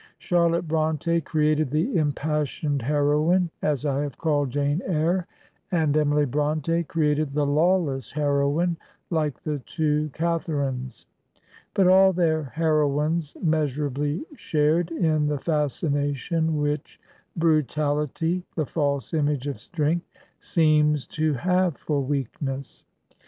Charlotte Bronte created the in* passioned heroine, as I have called Jane Eyre, and Emily Bronte created the lawless heroine, hke the two Catharines; but all their heroines measurably shared in the fascination which brutality, the fsdse image of strength, seems to have for weakness.